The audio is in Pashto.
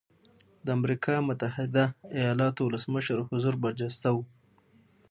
د امریکا متحده ایالتونو ولسمشر حضور برجسته و.